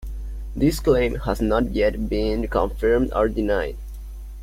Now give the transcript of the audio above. This claim has not yet been confirmed or denied.